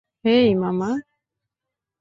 হেই, মামা।